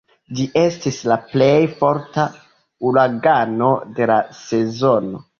Ĝi estis la plej forta uragano de la sezono.